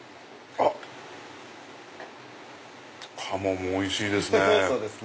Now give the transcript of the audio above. あっ鴨もおいしいですね。